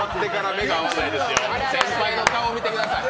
先輩の顔見てください